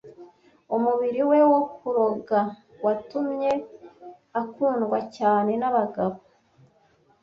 Umubiri we wo kuroga watumye akundwa cyane nabagabo.